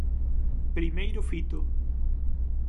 Primeiro fito.